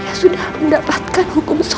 dia sudah mendapatkan hukum sosial